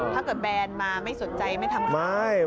ถ้าเกิดแบรนด์มาไม่สนใจไม่ทำข่าว